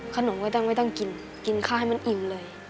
ไม่ต้องไม่ต้องกินกินข้าวให้มันอิ่มเลย